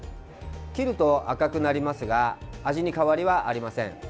切ると赤くなりますが味に変わりはありません。